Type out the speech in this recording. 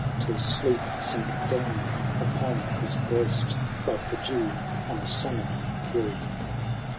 Till sleep sink down upon his breast, liike the dew on a summer hill.